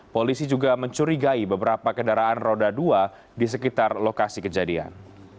polisi juga mencurigai beberapa kendaraan roda dua di sekitar lokasi kejadian